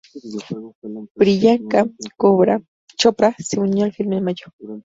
Priyanka Chopra se unió al filme en mayo.